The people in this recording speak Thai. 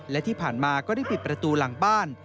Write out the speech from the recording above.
และที่ผ่านมาก็ได้ปิดประตูหลังบ้าน